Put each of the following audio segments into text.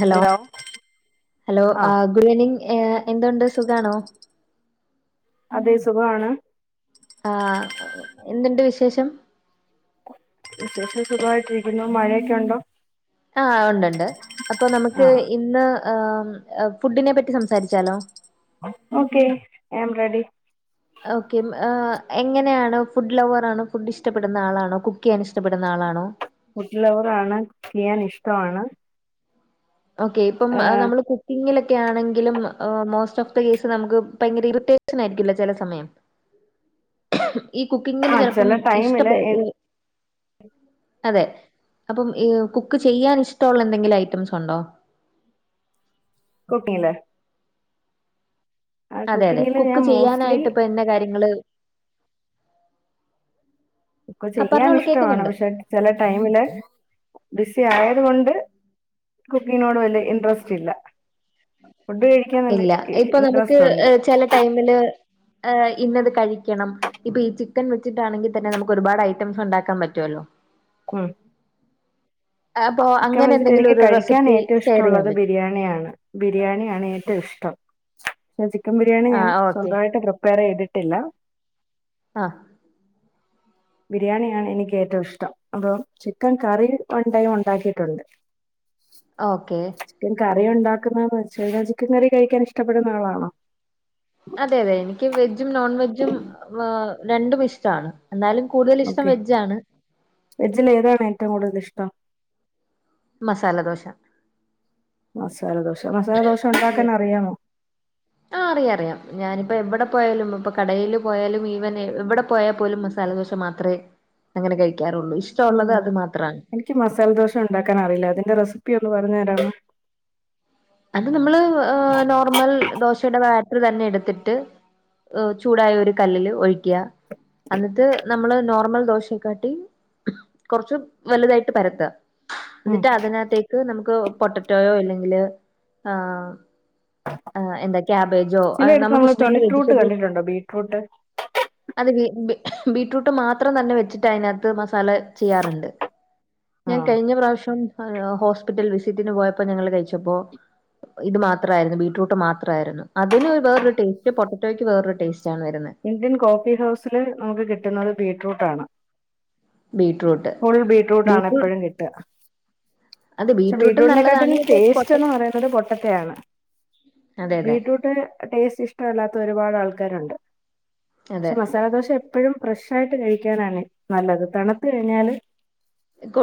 Hello hello ആ ആഹ് good evening എന്തുണ്ട് സുഖാണോ അതെ സുഖമാണ് ആ് എന്തുണ്ട് വിശേഷം സുഖമായിട്ടിരിക്കുന്നു മഴയൊക്കെ ഉണ്ടോ ആ ഉണ്ട്ണ്ട് അപ്പൊ നമുക്ക് ആഹ് ഇന്ന് ഫുഡിനെ പറ്റി സംസാരിച്ചാലോ ഓക്കെ ആം റെഡി ഓക്കെ എങ്ങനെയാണ് ഫുഡ് ലവർ ആണോ ഫുഡ് ഇഷ്ടപ്പെടുന്ന ആളാണോ കുക്ക് ചെയ്യാൻ ഇഷ്ടപ്പെടുന്ന ആളാണോ ഫുഡ്‌ ലൗവർ ആണ് ചെയ്യാൻ ഇഷ്ടമാണ് ഓക്കെ ഇപ്പം ഏഹ് നമ്മള്ൾ കുക്കിങ്ങിലൊക്കെ ആണെങ്കിലും മോസ്റ്റ് ഓഫ് കേസ് നമുക്ക് ഭയങ്കര ഇറിറ്റേഷൻ ആയിരിക്കില്ല ചില സമയം ഈ കുക്കിങ്ങില് ആഹ് ചെലപ്പം ചില ടൈമില് ഇഷ്ടപ്പെ അതെ അപ്പം കുക്ക് ചെയ്യാൻ ഇഷ്ടമുള്ള എന്തെങ്കിലും ഐറ്റംസ് ഉണ്ടോ [inaudible] കുക്കിംഗില അതെ അതെ കുക്കിങ്ങില് കുക്ക് ഞാൻ മോസ്റ്റ്ലി ചെയ്യാനായിട്ട് ഇപ്പൊ എന്ത കാര്യങ്ങള് ഇപ്പൊ ആ ചെയ്യാൻ പറഞ്ഞോളൂ ഇഷ്ടമാണ് കേക്കുന്നുണ്ട്. പക്ഷെ ചില ടൈമില് ബിസി ആയത് കൊണ്ട് കുക്കിങ്ങിനോട് വിയ ഇൻട്രസ്റ്റ് ഇല്ല ഫുഡ്‌ കഴി ഇല്ല ഇപ്പൊ നമുക്ക് ചില ടൈമില് ഇന്നത് കഴിക്കണം ഇപ്പൊ ഈ ചിക്കൻ വെച്ചിട്ടാണെങ്കിൽ തന്നെ നമുക്ക് ഒരുപാട് ഐറ്റംസ് ഉണ്ടാക്കൻ പറ്റുമല്ലോ ആഹ് അപ്പൊ ചിക്കൻ അങ്ങനെ വെച്ചിട്ട് എന്തെങ്കിലും എനിക്ക് ഒരു കഴിക്കാൻ റെസിപ്പി ഏറ്റവും ഷെയർ ചെയ്യാൻ ഇഷ്ടമുള്ളത് പറ്റോ? ബിരിയാണിയാണ് ബിരിയാണിയാണ് ഏറ്റോം ഇഷ്ടം ചിക്കൻ ബിരിയാണി ഞാൻ ആഹ് ഓക്കെ സ്വന്തായിട്ട് പ്രിപ്പയറെയ്തിട്ട് ട്ടില്ല ആഹ് ബിരിയാണിയാണ് എനിക്ക് ഏറ്റോം ഇഷ്ടം അപ്പൊ ചിക്കൻ കറി ഉണ്ടെ ണ്ടാക്കിട്ടുണ്ട് ഓക്കേ ചിക്കൻ കറി ഉണ്ടാക്കുന്നതന്ന് വെച്ച് കഴിഞ്ഞാൽ ചിക്കൻ കറി കഴിക്കാൻ ഇഷ്ടപ്പെടുന്ന ആളാണോ അതെ അതെ എനിക്ക് വെജും നോൺ വെജ്ജും രണ്ടും ഇഷ്ടാണ് എന്നാലും കൂടുതൽ ഇഷ്ടം ഓക്കെ വെജ് ആണ് വെജിൽ ഏതാണ് ഏറ്റവും കൂടുതൽ ഇഷ്ടം മസാലദോശ മസാലദോശ മസാലദോശ ഒണ്ടാക്കാൻ അറിയാമോ ആ അറിയാം അറിയാം ഞാനിപ്പോ എവിടെ പോയാലും ഇപ്പ കടേൽ പോയാലും ഈവൻ എവിടെ പോയാപോലും മസാലദോഷ മാത്രം മാത്രേ അങ്ങനെ കഴിക്കാറുള്ളൂ ഇഷ്ടൊള്ളത് അത് മാത്രാണ് ഇക്ക് മസാല ദോശ ഒണ്ടാക്കൻ അറിയില്ല അതിന്റെ റെസിപ്പി ഒന്ന് പറഞ്ഞു തരാമോ അത് നമ്മള് നോർമൽ ദോശയുടെ ബാറ്റർ തന്നെ എടുത്തിട്ട് ചൂടായ ഒരു കല്ലില് ഒഴിക്ക അന്നിട്ട് നമ്മള് നോർമൽ ദോശയെക്കാട്ടി കൊറച്ച് വലുതായിട്ട് പരത്ത ഉം എന്നിട്ട് അതിനകത്തേക്ക് നമുക്ക് പൊട്ടറ്റയോ അല്ലെങ്കില് ആ ആ എന്താ ക്യാബേജോ ചിലയിടത്ത് നമ്മള് നമുക്കിഷ്ടൊള്ള ബീറ്റ്റൂട്ട് വെജിറ്റബിൾ കണ്ടിട്ടുണ്ടോ ബീറ്റ്റൂട്ട് അത് ബീ ബീറ്റ്റൂട്ട് മാത്രം തന്നെ വെച്ചിട്ട് അതിനകത്ത് മസാല ചെയ്യാറുണ്ട് ആ ഞാൻ കഴിഞ്ഞ പ്രാവശ്യം ഹോസ്പിറ്റൽ വിസിറ്റിന് പോയപ്പോ ഞങ്ങള് കഴിച്ചപ്പോ ഇത് മാത്രായിരുന്നു ബീറ്റ്റൂട്ട് മാത്രായിരുന്നു അതിന് വേറൊരു ടേസ്റ്റ് പൊട്ടറ്റോയ്ക്ക് വേറൊരു ടേസ്റ്റ് ആണ് വരുന്നെ ഇന്ത്യൻ കോഫി ഹൗസില് നമുക്ക് കിട്ടുന്നത് ബീറ്റ്റൂട്ട് ആണ് ബീറ്റ്റൂട്ട് ഫുൾ ബീറ്റ്റൂട്ട് ആണ് ബീറ്റ്റൂ എപ്പഴും കിട്ട അത് പക്ഷെ ബീറ്റ്റൂട്ടും ബീറ്റ്റൂട്ടിനേക്കാട്ടും നല്ലതാണ് ഇപ്പൊ പൊട്ട ടേസ്റ്റ്ന്ന് പറയുന്നത് പൊട്ടറ്റ ആണ് അതെ അതെ ബീറ്റ്റൂട്ട് ടേസ്റ്റ് ഇഷ്ടല്ലാത്ത ഒരുപാട് ആൾക്കാരുണ്ട് അതെ പക്ഷെ മസാലദോശ എപ്പഴും ഫ്രഷ് ആയിട്ട് കഴിക്കാനാണ് നല്ലത് തണുത്ത് കഴിഞ്ഞാല്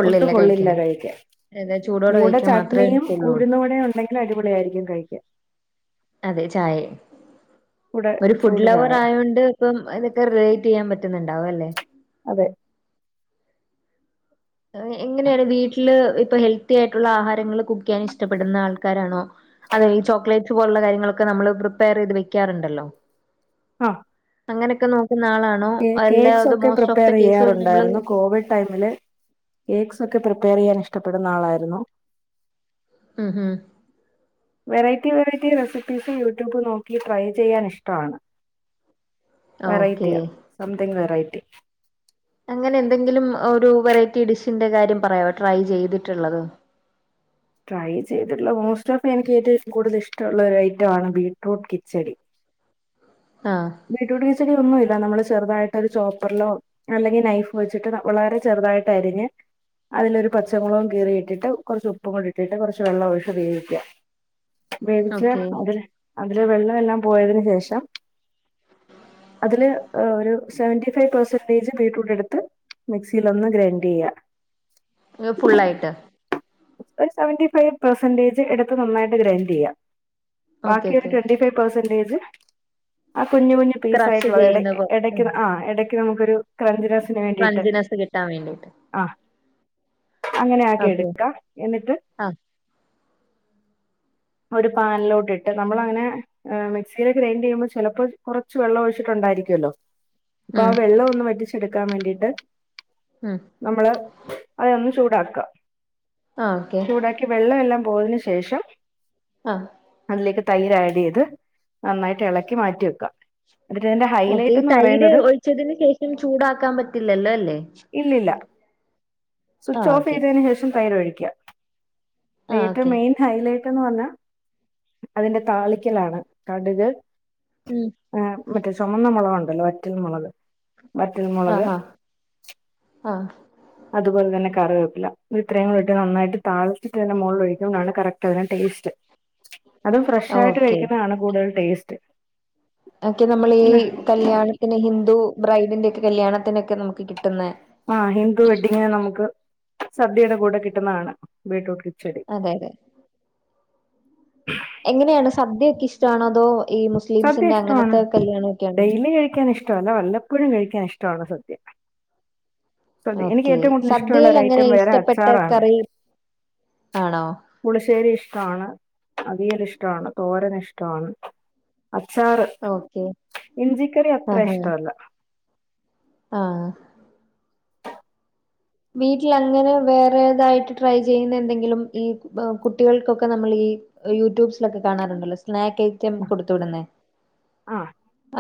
ഒട്ടും കൊള്ളില്ല കഴിക്കാൻ [unintelligible] കൂടെ മാത്രമേ ചട്നിയും കൊള്ളൂ ഉഴുന്ന് വടയും ഉണ്ടെങ്കിൽ അടിപൊളിയായിരിക്കും കഴിക്കാൻ അതെ ചായെ കൂടെ ഒരു ഫുഡ് ചൂട് ലവർ ചായ ആയോണ്ട് ഇപ്പം ഇതൊക്കെ റിലേറ്റെയ്യാൻ പറ്റുന്നുണ്ടാവല്ലേ അതെ എങ്ങനെയാണ് വീട്ടില് ഇപ്പൊ ഹെൽത്തി ആയിട്ടുള്ള ആഹാരങ്ങള് കുക്കെയ്യാൻ ഇഷ്ടപ്പെടുന്ന ആൾക്കാരാണോ അതെ ഈ ചോക്ലേറ്റ് പോലുള്ള കാര്യങ്ങളൊക്കെ നമ്മള് പ്രിപ്പയറെയ്ത് വെക്കാറുണ്ടല്ലോ ആ അങ്ങനെയൊക്കെ നോക്കുന്ന ആളാണ് കേക്സൊക്കെ നമ്മള് പ്രിപ്പയറെയ്യാറുണ്ടായിരുന്നു കോവിഡ് ടൈമില് കേക്ക്സൊക്കെ പ്രിപ്പയറെയ്യാൻ ഇഷ്ടപ്പെടുന്ന ആളായിരുന്നു ഉം ഉം വെറൈറ്റി വെറൈറ്റി റെസിപ്പീസ് യൂട്യൂബ് നോക്കി ട്രൈ ചെയ്യാൻ ഇഷ്ടാണ് ഓക്കെ. വെറൈറ്റിയാണ് സംതിങ് വെറൈറ്റി അങ്ങനെ എന്തെങ്കിലും ഒരു വെറൈറ്റി ഡിഷിന്റെ കാര്യം പറയോ ട്രൈ ചെയ്തിട്ടുള്ളത് ട്രൈ ചെയ്തിട്ടുള്ള മോസ്റ്റ് ഓഫ് എനിക്ക് ഏറ്റവും കൂടുതൽ ഇഷ്ടള്ള ഒരു ഐറ്റാണ് ബീട്റൂട്ട് കിച്ചടി ആ ബീട്റൂട്ട് കീച്ചടി ഒന്നുല്ല നമ്മള് ചെറുതായിട്ടൊരു ചോപ്പറിലോ അല്ലെങ്കി നൈഫ് വെച്ചിട്ട് വളരെ ചെറുതായിട്ട് അരിഞ്ഞ് അതിലൊരു പച്ചമൊളകും കീറി ഇട്ടിട്ട് കൊറച്ച് ഉപ്പും കൂടി ഇട്ടിട്ട് കൊറച്ച് വെള്ളം ഒഴിച്ച് വേവിക്കുക വേവിച്ച് ഓക്കെ അതില് അതില് വെള്ളം എല്ലാം പോയതിന് ശേഷം അതില് ഒരു സെവന്റി ഫൈവ് പെർസെന്റേജ് ബീറ്റ്റൂട്ട് എടുത്ത് മിക്സിൽ ഒന്ന് ഗ്രൈൻഡ് ചെയ്യുക. ഫുള്ളായിട്ട്. സെവന്റി ഫൈവ് പെർസെന്റേജ് എടുത്ത് നന്നായിട്ട് ഗ്രൈൻഡ് ചെയ്യാം, ഓക്കെ ബാക്കി ഒരു ഓക്കെ. ട്വന്റി ഫൈവ് പേർസന്റേജ് ആ കുഞ്ഞുകുഞ്ഞു പീസ് ക്രഷ് ആയിട്ടുള്ള എട ചെയ്യുന്ന പോ എട എടക്ക് ഉം. ക്കെ നമ്മുക്കൊരു ക്രഞ്ച്നസ് ക്രഞ്ചിനസ്സ് കിട്ടാൻ വേണ്ടിയിട്ട്. ആഹ് അങ്ങനെ ആക്കി ഓക്കെ എടുക്കാം, എന്നിട്ട് ആഹ് ഒരു പാന്ലോട്ട് ഇട്ട് നമ്മളങ്ങനെ മിക്സിയിൽ ഗ്രൈന്റ് ചെയ്യുമ്പോൾ ചെലപ്പോ കൊറച്ച് വെള്ളം ഒഴിച്ചിട്ടുണ്ടായിരിക്കൊല്ലോ. അപ്പൊ ആ ഉം വെള്ളം ഒന്ന് വറ്റിച്ചെടുക്കാൻ വേണ്ടിട്ട്. ഉം നമ്മള് അതൊന്ന് ചൂടാക്ക ആഹ് ഓക്കെ വെള്ളം എല്ലാം പോയതിന് ശേഷം. ആഹ് അതിലേക്ക് തൈര് ആഡ് ചെയ്ത് നന്നായിട്ട് ഇളക്കി മാറ്റി വെക്ക. ന്നട്ട് ഇതിന്റെ ഹ ഓക്കെ, ഈ തൈര് ഒഴിച്ചതിന് ശേഷം ചൂടാക്കാൻ പറ്റില്ലല്ലോ അല്ലേ. ഇല്ല ല്ല സ്വിച്ച് ആഹ് ഓഫ് ഓക്കെ ചെയ്തേന് ശേഷം തൈര് ഒഴിക്ക ആഹ് ഏറ്റവും ഓക്കെ മെയിൻ ഹൈലൈറ്റ് എന്ന് പറഞ്ഞാൽ അതിന്റെ താളിക്കലാണ് കടുക് ഉം ആഹ് മറ്റേ ചുമന്ന മുളകുണ്ടല്ലോ, വറ്റൽ മുളക് വറ്റൽ മുളക് ആഹാ ആഹ് അതുപോലെ തന്നെ കറിവേപ്പില, ഇത്രയും ഇട്ട് നന്നായിട്ട് താളിച്ചിട്ട് അതിന്റെ മുകളിൽ ഒഴിക്കുമ്പഴാണ് കറക്റ്റ് [unintelligible] ടേസ്റ്റ് അതും ഫ്രഷായിട്ട് ഓക്കെ കഴിക്കുന്നതാണ് കൂടുതൽ ടേസ്റ്റ്. ഒക്കെ നമ്മൾ ഈ പിന്നെ കല്യാണത്തിന് ഹിന്ദു ബ്രൈഡിന്റെ ഒക്കെ കല്യാണത്തിനൊക്കെ നമുക്ക് കിട്ടുന്നെ ആഹ് ഹിന്ദു വെഡ്ഡിങ്ങിന് നമുക്ക് സദ്യയുടെ കൂടെ കിട്ടുന്നതാണ് ബീറ്റ്റൂട്ട് കിച്ചടി. അതെ അതെ എങ്ങനെയാണ് സദ്യയൊക്കെ ഇഷ്ടമാണോ? അതോ ഈ സദ്യ മുസ്ലിംസിന്റെ ഇഷ്ടാണ്. അങ്ങനത്തെ കല്യാണമൊക്കെയാണോ ഡെയ്ലി കഴിക്കാൻ ഇഷ്ടല്ല വല്ലപ്പോഴും കഴിക്കാൻ ഇഷ്ടാണ് സദ്യ. എനിക്ക് ഓക്കെ ഏറ്റവും കൂടുതൽ സദ്യയിൽ അങ്ങനെ ഇഷ്ടമുള്ളരൈറ്റം വേറെ ഇഷ്ടപ്പെട്ട അച്ചാറാണ്. കറി ആണോ പുളിശ്ശേരി ഇഷ്ടാണ്, അവിയൽ ഇഷ്ടാണ്, തോരൻ ഇഷ്ടാണ്. അച്ചാറ് ഓക്കെ ഇഞ്ചിക്കറി അത്ര ആഹ് ഇഷ്ടം അല്ല. ആഹ് വീട്ടിൽ അങ്ങനെ വേറെതായിട്ട് ട്രൈ ചെയ്യുന്ന എന്തെങ്കിലും ഈ ബ കുട്ടികൾക്കൊക്കെ നമ്മൾ ഈ യൂട്യൂബ്സിലൊക്കെ കാണാറുണ്ടല്ലോ സ്നേക്കയ് റ്റം കൊടുത്തു വിടുന്നേ, ആഹ്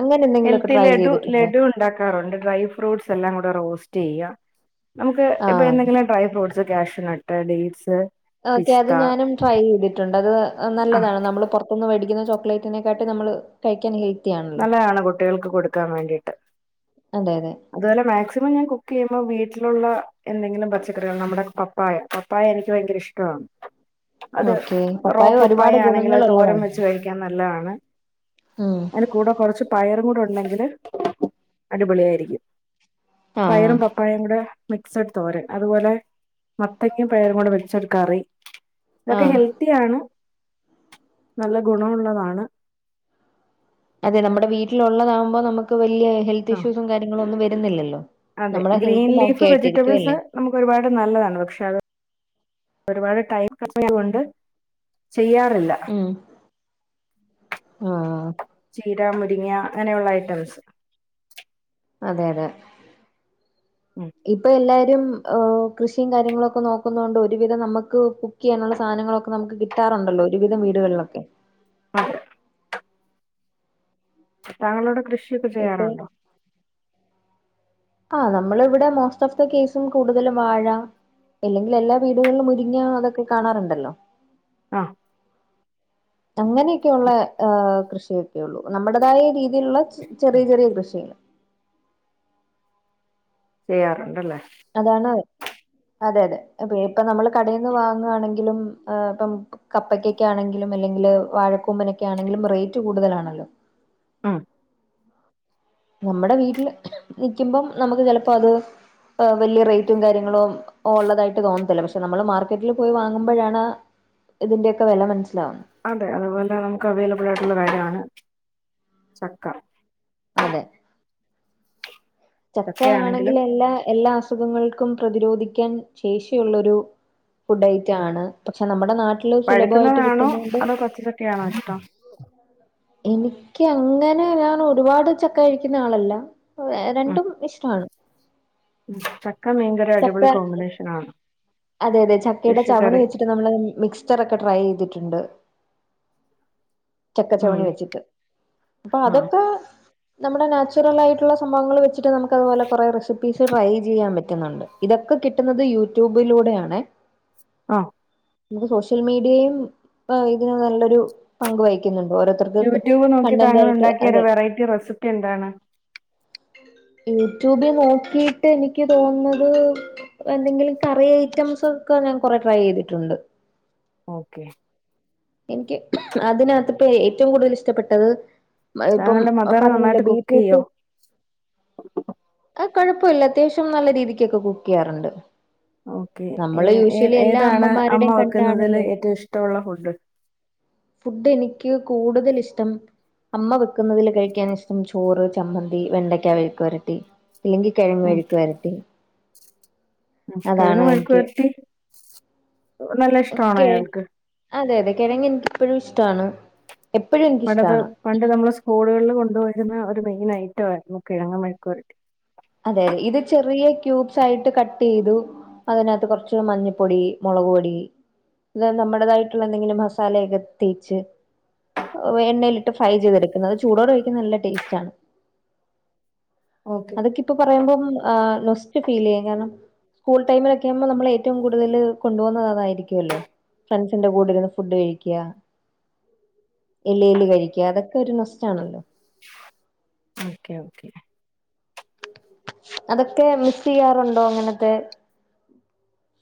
അങ്ങനെ എന്തെങ്കിലുമൊക്കെ ട്രൈ ചെയ്തിട്ടുണ്ടോ? ഇണ്ടാക്കാറുണ്ട്, ഡ്രൈ ഫ്രൂട്ട്സ് എല്ലാം കൂടെ റോസ്റ്റ് ചെയ്യാ, നമുക്ക് ഇപ്പ ആഹ് എന്തെങ്കിലും dry fruit cashew nut, dates okay അത് ഞാനും ട്രൈ ചെയ്തിട്ടുണ്ട്, അത് ആഹ് നല്ലതാണ് നമ്മൾ പൊർ ത്ത്ന്ന് മേടിക്കുന്ന ചോക്ലേറ്റിനെക്കാട്ടി നമ്മള് കഴിക്കാൻ ഹെൽത്തിയാണ്. നല്ലതാണ് കുട്ടികൾക്ക് കൊടുക്കാൻ വേണ്ടിട്ട്. അതെ അതെ അതുപോലെ മാക്സിമം ഞാൻ കുക്ക് ചെയ്യുമ്പോ വീട്ടിലുള്ള എന്തെങ്കിലും പച്ചക്കറികൾ നമ്മുടെ പ പ്പായ പപ്പായ എനിക്ക് ഭയങ്കര ഇഷ്ടാണ്. അത് ഓക്കെ റോ പപ്പായ ഒരുപാട് ആണെങ്കിൽ അത് തോരൻ ഗുണങ്ങളുള്ളതാണ് വെച്ച് കഴിക്കാൻ നല്ലതാണ്. ഉം അതിന്റെ കൂടെ കുറച്ച് പയറും കൂടെ ഉണ്ടെങ്കിൽ അടിപൊളിയായിരിക്കും. ആഹ് പയറും പപ് പഴം കൂടെ മിക്സ്ഡ് തോരൻ അതുപോലെ മത്തങ്ങയും പയറും കൂടെ വെച്ചൊരു കറി ഇതൊക്കെ ആഹ് ഹെൽത്തിയാണ് നല്ല ഗുണമുള്ളതാണ് അതെ നമ്മുടെ വീട്ടിലുള്ളതാവുമ്പോ നമുക്ക് വലിയ ഹെൽത്ത് ആ ഇഷ്യൂസും കാര്യങ്ങളും ഒന്നും വരുന്നില്ലല്ലോ അതെ നമ്മുടെ ഗ്രീൻ ഹെൽത്തും ഓക്കെ ലീഫ് വെജിറ്റബിൾസ് ആയിട്ടിരിക്കുവല്ലേ നമുക്ക് ഒരുപാട് നല്ലതാണ് പക്ഷെ അത് ഒരുപാട് ടൈം ഉള്ളത് കൊണ്ട് ചെയ്യാറില്ല ഉം ആഹ് ചീര, മുരിങ്ങ അങ്ങനെയുള്ള ഐറ്റംസ് അതെ അതെ ഉം ഇപ്പൊ എല്ലാ രും ഏഹ് കൃഷിയും കാര്യങ്ങളൊക്കെ നോക്കുന്നോണ്ട് ഒരുവിധം നമക്ക് കുക്ക്യ്യാനുള്ള സാനങ്ങളൊക്കെ നമുക്ക് കി കിട്ടാറുണ്ടല്ലോ ഒരുവിധം വീടുക ളിലൊക്കെ അതെ താങ്കളോടെ കൃഷിയൊക്കെ ഇപ്പൊ ചെയ്യാറ് ണ്ടോ? ആഹ് നമ്മൾ ഇവിടെ മോസ്റ്റ് ഓഫ് ദി കേസും കൂടുതലും വാഴ ഇല്ലെങ്കിൽ എല്ലാ വീടുകളിലും മുരിങ്ങ അതൊക്കെ കാണാറ്ണ്ടല്ലോ ആഹ് അങ്ങനെയൊക്കെയുള്ള ഏഹ് കൃഷിയൊക്കെയുള്ളൂ. നമ്മുടെതായ രീതിയിലുള്ള ചെറിയ ചെറിയ കൃഷികൾ. ചെയ്യാറുണ്ടല്ലേ അതാണ് അതെ അതെ ഇപ്പ നമ്മള് കടേന്ന് വാങ്ങ് ആണെങ്കിലും ആഹ് ഇപ്പം കപ്പയ്ക്കൊക്കെ ആണെങ്കിലും അല്ലെങ്കില് വാഴക്കൂമ്പ്നൊക്കെ ആണെങ്കിലും റേറ്റ് കൂടുതലാണല്ലോ. ആഹ് നമ്മടെ വീട്ടില് നിക്കുമ്പം നമുക്ക് ചെലപ്പോ അത് ഏഹ് വലിയ റേറ്റും കാര്യങ്ങളും ഒള്ളതായിട്ട് തോന്നത്തില്ല പക്ഷെ നമ്മള് മാർക്കറ്റിൽ പോയി വാങ്ങുമ്പോഴാണ് ഇതിന്റെയൊക്കെ വെല മൻസ്സിലാവ്ണെ. അതെ അതുപോലെ നമുക്ക് അവൈലബിളായിട്ട്ള്ള കാര്യ ആണ് ചക്ക. അതെ ചക്ക ആണെങ്കിൽ ചക്കയാണെങ്കിലും എല്ലാ എല്ലാ അസുഖങ്ങൾക്കും പ്രതിരോധിക്കാൻ ശേഷിയുള്ളൊരു ഫുഡ് ഉം ഐറ്റാണ് പക്ഷെ നമ്മടെ നാട്ടില് സുലഭ ആയിട്ട് പഴുക്കുന്നതാണോ കിട്ട്ന്ന്ണ്ട്. അതോ പച്ചച്ചക്കയാണോ ഇഷ്ടം എനിക്ക് അങ്ങനെ ഞാന് ഒരുവാട് ചക്ക കഴിക്കുന്ന ആളല്ല. വെ ഉം ട്ടും ഇഷ്ടാണ്. ചക്ക മീൻകറി അടിപൊളി കോമ്പിനേഷനാണ്. അതെഅതെ ചക്കയെടെ ചവണി വെച്ചിട്ട് നമ്മള് മിക്സ്ച്ചറൊക്കെ ട്രൈ യ്തിട്ട്ണ്ട്. ഉം ചക്കച്ചവണി വെച്ചിട്ട്. അപ്പൊ ആ അതൊക്കെ നമ്മുടെ നാച്ചുറലായിട്ട്ള്ള സംഭവങ്ങള് വെച്ചിട്ട് നമുക്ക് അതുപോലെ കൊറേ റെസിപ്പീസ് ട്രൈ ചെയ്യാൻ പറ്റുന്നുണ്ട്. ഇതൊക്കെ കിട്ടുന്നത് യൂട്യൂബിലൂടെയാണെ. ആഹ് നമുക്ക് സോഷ്യൽ മീഡിയയുംഏഹ് ഇതിന് നല്ലൊരു പങ്ക് വഹിക്കുന്നുണ്ട് ഓരോ യൂട്യൂബ് നോക്കി താങ്കളുണ്ടാക്കിയ ഒരു വെറൈറ്റി റെസിപ്പി എന്താണ്? യൂട്യൂബിൽ നോക്കിയിട്ട് എനിക്ക് തോന്നുന്നത് എന്തെങ്കിലും കറി ഐറ്റംസൊക്കെ ഞാൻ കൊറേ ട്രൈയ്തിട്ടുണ്ട്. ഓക്കെ എനിക്ക് അതിനകത്തിപ്പ ഏറ്റവും കൂടുതൽ ഇഷ്ടപ്പെട്ടത് അഹ് ഇപ്പം താങ്കളുടെ മദർ പർഞ്ഞല്ലോ നന്നായിട്ട് കുക്ക് ചെയ്യോ? ബീറ്റ്റൂട്ട്. ആഹ് കൊഴപ്പല്ല അത്യാവശ്യം നല്ല രീതിക്കൊക്കെ കുക്ക്യ്യാറുണ്ട്. ഓക്കെ ഏഹ് ഏതാണ് അമ്മ അമ്മമാരുടെയും വെക്കുന്നതിൽ കണ്ടാണല്ലോ ഏറ്റവും ഇഷ്ടവുള്ള ഫുഡ്? ഫുഡ് എനിക്ക് കൂടുതൽ ഇഷ്ടം അമ്മ വെക്കുന്നതില് കഴിക്കാൻ ഇഷ്ടം ചോറ്, ചമ്മന്തി, വെണ്ടയ്ക്ക മെഴുക്കു വരട്ടി അല്ലെങ്കിൽ കിഴങ്ങ് ഉം മെഴുക്കു വരട്ടി അതാണ് കെഴങ്ങ് മെഴുക്ക് എനിക്ക് വരട്ടി നല്ല ഇഷ്ടാണോ ഓക്കെ ഇയാൾക്ക്? അതെ അതെ കിഴങ്ങ് എനിക്കിപ്പഴു ഇഷ്ടാണ്. പണ്ടത് പണ്ട് നമ്മള് സ്കൂളുകളിൽ കൊണ്ടു പോയിരുന്ന ഒരു മെയിൻ ഐറ്റം ആയിരുന്നു കിഴങ്ങു മെഴുക്കുവരട്ടി. അതെ അതെ ഇത് ചെറിയ ക്യൂബ്സ് ആയിട്ട് കട്ട്യ്തു. അതിനകത്ത് കൊറച്ച് മഞ്ഞപ്പൊടി മുളക്പൊടി ഇത് നമ്മുടതായിട്ടുള്ള എന്തെങ്കിലും മസാലയൊക്കെ തേച്ച് എണ്ണയിലിട്ട് ഫ്രൈ ചെയ്തെടുക്കുന്നത് ചൂടോടെ കഴിക്ക്‌ന്നെ നല്ല ടേസ്റ്റ് ആണ്. ഓക്കേ. അതൊക്കെ ഇപ്പം പറയുമ്പം ആഹ് നൊസ്റ്റു ഫീൽ ചെയ്യും. കാരണം സ്കൂൾ ടൈമിലൊക്കെ ആകുമ്പോ നമ്മൾ ഏറ്റവും കൂടുതൽ കൊണ്ടപോകുന്നത് അതായിരിക്കല്ലോ. ഫ്രണ്ട്സിന്റെ കൂടെ ഇരുന്ന് ഫുഡ് കഴിക്കാ. ഇലേല് കഴിക്കാ. അതൊക്കെ ഒരു നൊസ്റ്റ് ആണല്ലോ. Okay okay. അതൊക്കെ മിസ് ചെയ്യാറുണ്ടോ? അങ്ങനത്തെ.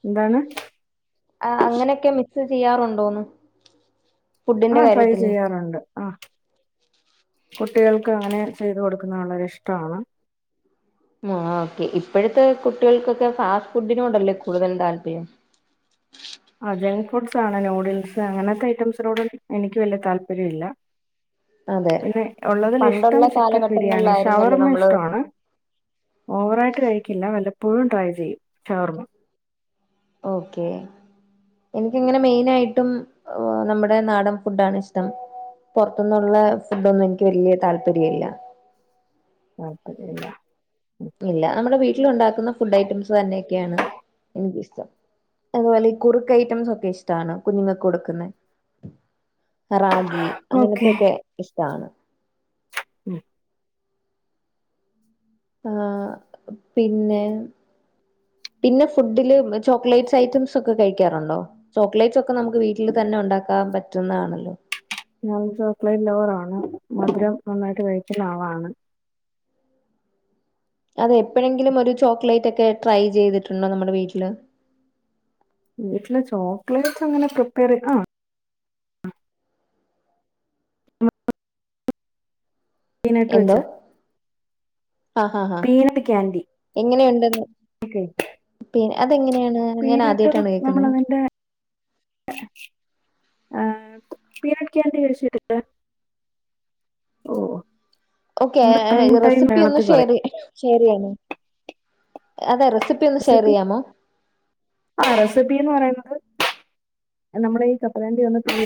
എന്താണ്? ആഹ് അങ്ങനെയൊക്കെ മിസ് ചെയ്യാറുണ്ടോന്ന്? ഫുഡിന്റെ ആഹ് ട്രൈ കാര്യത്തില് ചെയ്യാറുണ്ട്. ആഹ് കുട്ടികൾക്ക് അങ്ങനെ ചെയ്ത് കൊടുക്കുന്നത് വളരെ ഇഷ്ടമാണ്. മാ ഓക്കെ. ഇപ്പോഴത്തെ കുട്ടികൾക്കൊക്കെ ഫാസ്റ്റ് ഫുഡിനോടല്ലേ കൂടുതലും താല്പര്യം. അ ജങ്ക് ഫുഡ്സ് ആണ് നൂഡിൽസ് അങ്ങനത്തെ ഐറ്റംസിനോട് എനിക്ക് വല്യ താല്പര്യം ഇല്ല. അതെ പിന്നെ ഉള്ളതിൽ ഇഷ്ടം പണ്ടുള്ള ചിക്കൻ ബിരിയാണി. കാലഘട്ടങ്ങളിലായിരുന്നല്ലോ ഷവർമ്മ നമ്മള് ഇഷ്ടമാണ്. ഓവറായിട്ട് കഴിക്കില്ല. വല്ലപ്പോഴും ട്രൈ ചെയ്യും ഷവർമ്മ. ഓക്കെ. എനക്കിങ്ങനെ മെയിനായിട്ടും നമ്മുടെ നാടൻ ഫുഡാണ് ഇഷ്ടം. പുറത്തുന്നുള്ള ഫുഡൊന്നും എനിക്ക് വല്യ താല്പര്യം ഇല്ല. താല്പര്യല്ല. ഇല്ല. നമ്മുടെ വീട്ടിലുണ്ടാക്കുന്ന ഫുഡ് ഐറ്റംസ് തന്നെയൊക്കെയാണ് എനിക്കിഷ്ടം. അതുപോലെ ഈ കുറുക്ക് ഐറ്റംസ് ഒക്കെ ഇഷ്ടാണ്. കുഞ്ഞുങ്ങക്ക് കൊടുക്കുന്നെ. റാഗി ഓക്കെ അങ്ങനത്തൊക്കെ ഇഷ്ടാണ്. ഉം ആഹ് പിന്നെ പിന്നെ ഫുഡില് ചോക്ലേറ്റ്സ് ഐറ്റംസ് ഒക്കെ കഴിക്കാറുണ്ടോ? ചോക്ലേറ്റ്സ് ഒക്കെ നമുക്ക് വീട്ടിൽ തന്നെ ഉണ്ടാക്കാൻ പറ്റുന്നതാണല്ലോ. ഞാൻ ചോക്ലേറ്റ് ലവറാണ്. മധുരം നന്നായിട്ട് കഴിക്കുന്ന ആളാണ്. അതെ എപ്പോഴെങ്കിലും ഒരു ചോക്ലേറ്റ് ഒക്കെ ട്രൈ ചെയ്തിട്ടുണ്ടോ? നമ്മുടെ വീട്ടില്. വീട്ടില് ചോക്ലേറ്റ്സ് അങ്ങനെ പ്രിപ്പയറി ആഹ് [inaudible] മെയിനായിട്ട് എന്തോ വച്ചത്. ആഹ് ആഹ് ആഹ് പീനട്ട് ക്യാൻഡി എങ്ങനെയുണ്ടത്? ഓക്കെ പിന്നെ. അതെങ്ങനെയാണ്? പീനട്ട് കേൾക്കുന്നത് നമ്മളതിന്റെ ഏഹ്. പീനട്ട് കാൻഡി കഴിച്ചിട്ടില്ലേ? ഓക്കെ. നമ്മുടെ ടൈം റെസിപ്പി ഒന്ന് വേണത്തിൽ ഷെയർ പറയും ചെയ്യ്. ഷെയർ ചെയ്യണോ. അതെ റെസി റെസിപ്പി. ആഹ് റെസിപ്പീന്ന് പറയുന്നത് നമ്മുടെ ഈ കപ്പലണ്ടി ഒന്ന്